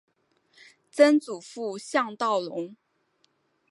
曾祖父向道隆。